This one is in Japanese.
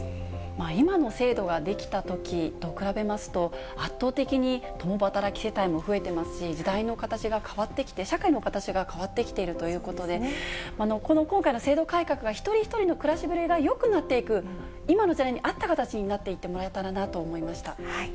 今の制度が出来たときと比べますと、圧倒的に共働き世帯も増えていますし、時代の形が変わってきて、社会の形が変わってきているということで、この今回の制度改革が、一人一人の暮らしぶりがよくなっていく、今の時代に合った形になっていってもらえたらなと思いました。